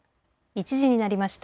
１時になりました。